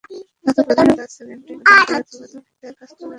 নতুন প্রজন্মের কাছে গেমটিকে নতুন করে তুলে ধরতে কাজ করবে মাইক্রোসফট।